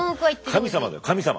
神様だよ神様。